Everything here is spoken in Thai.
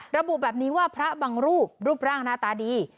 ระบุแบบนี้ว่าพระบางรูปรูปร่างหน้าตาดี